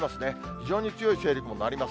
非常に強い勢力になります。